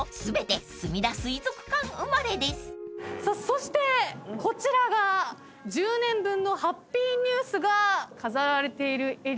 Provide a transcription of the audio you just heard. そしてこちらが１０年分のハッピーニュースが飾られているエリアになります。